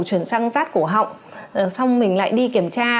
chuyển sang rát cổ họng xong mình lại đi kiểm tra